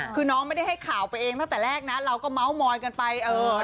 คือน้องไม่ได้ให้ข่าวไปเองตั้งแต่แรกนะเราก็เมาส์มอยกันไป